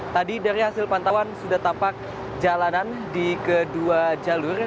tadi dari hasil pantauan sudah tampak jalanan di kedua jalur